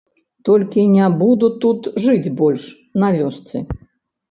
Толькі не буду тут жыць больш, на вёсцы.